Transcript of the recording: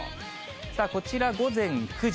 さあ、こちら午前９時。